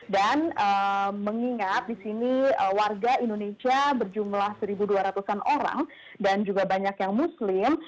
dan mengingat di sini warga indonesia berjumlah satu dua ratus an orang dan juga banyak yang muslim